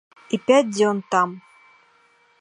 І пяць дзён там.